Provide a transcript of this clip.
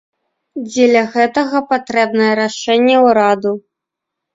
Дзеля гэтага патрэбнае рашэнне ўраду.